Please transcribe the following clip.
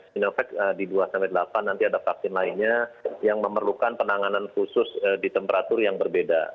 sinovac di dua sampai delapan nanti ada vaksin lainnya yang memerlukan penanganan khusus di temperatur yang berbeda